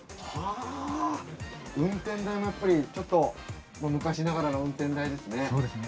運転台もやっぱりちょっと昔ながらの運転台ですね。